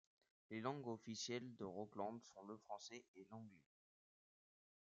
Les langues officielles de Rockland sont le français et l'anglais.